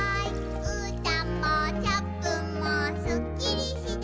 「うーたんもチャップンもスッキリして」